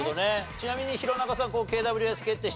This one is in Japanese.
ちなみに弘中さん。